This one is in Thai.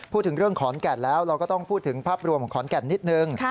พูดถึงเรื่องขอนแก่นแล้วเราก็ต้องพูดถึงภาพรวมของขอนแก่นนิดนึง